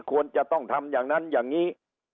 ควรจะต้องทำอย่างนั้นอย่างนี้